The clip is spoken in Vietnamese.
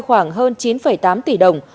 khoảng hơn chín tám tỷ đồng